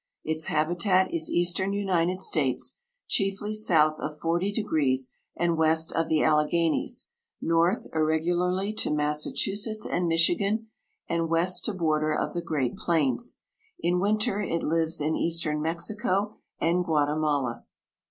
Its habitat is eastern United States, chiefly south of 40 degrees and west of the Alleghanies, north irregularly to Massachusetts and Michigan, and west to border of the great plains. In winter it lives in eastern Mexico and Guatemala.